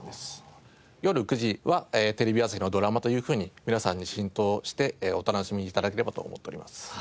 よる９時はテレビ朝日のドラマというふうに皆さんに浸透してお楽しみ頂ければと思っております。